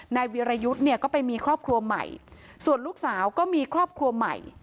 นายวีรยุทธ์เนี่ยก็ไปมีครอบครัวใหม่ส่วนลูกสาวก็มีครอบครัวใหม่